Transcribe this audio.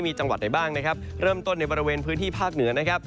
มีจังหวัดไหนบ้างเริ่มต้นในประเวณพื้นที่ภาคเหนือ